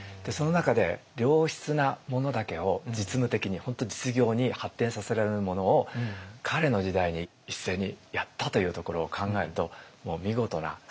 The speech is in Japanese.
その中で良質なものだけを実務的に本当実業に発展させられるものを彼の時代に一斉にやったというところを考えるともう見事な。